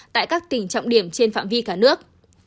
tại các tỉnh trọng điểm trên phạm vi cả nước